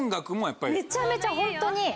めちゃめちゃホントに。